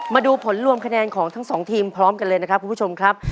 มาดูผลรวมคะแนนของทั้งสองทีมพร้อมกันเลยนะครับคุณผู้ชมครับ